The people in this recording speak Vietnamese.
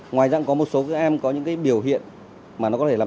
ngoài ra có một số các em có những biểu hiện mà nó có thể làm